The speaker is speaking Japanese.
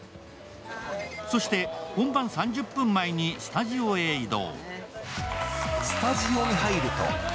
そして本番３０分前にスタジオに移動。